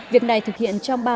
việc này thực hiện trong ba năm